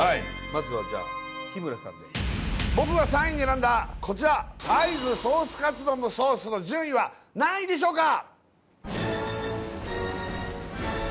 まずはじゃあ日村さんで僕が３位に選んだこちら会津ソースカツ丼のソースの順位は何位でしょうか？